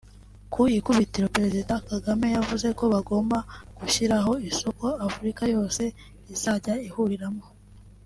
Ku ikubitiro Perezida Kagame yavuze ko bagomba gushyiraho isoko Afrika yose izajya ihuriramo